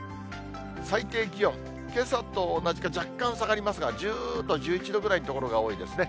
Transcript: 最低気温、けさと同じか、若干下がりますが、１０度、１１度ぐらいの所が多いですね。